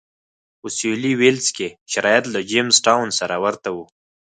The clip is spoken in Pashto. په سوېلي ویلز کې شرایط له جېمز ټاون سره ورته و.